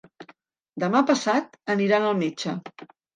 Demà passat aniran al metge.